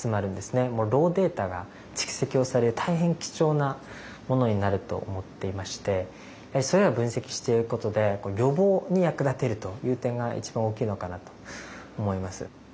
ローデータが蓄積をされ大変貴重なものになると思っていましてそういうのを分析していくことで予防に役立てるという点が一番大きいのかなと思います。